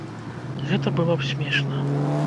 Гэта было б смешна.